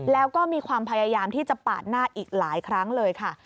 แล้วก็มีความพยายามที่จะปาดหน้าอีกหลายครั้งเลยค่ะ